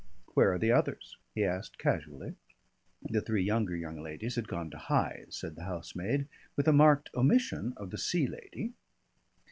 "Where are the others?" he asked casually. The three younger young ladies had gone to Hythe, said the housemaid, with a marked omission of the Sea Lady.